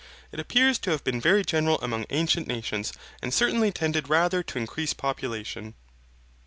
It appears to have been very general among ancient nations, and certainly tended rather to increase population.